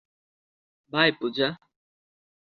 By, Puja.